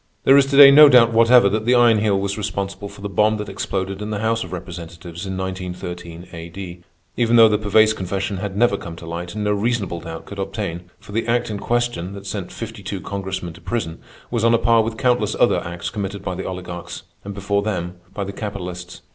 There is to day no doubt whatever that the Iron Heel was responsible for the bomb that exploded in the House of Representatives in 1913 A.D. Even though the Pervaise confession had never come to light, no reasonable doubt could obtain; for the act in question, that sent fifty two Congressmen to prison, was on a par with countless other acts committed by the oligarchs, and, before them, by the capitalists.